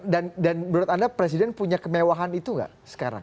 dan menurut anda presiden punya kemewahan itu nggak sekarang